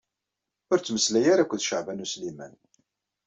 Ur ttmeslay ara akked Caɛban U Sliman.